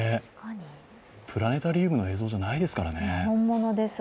プラネタリウムの映像じゃないですからね。